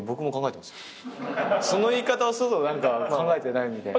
その言い方をすると考えてないみたい。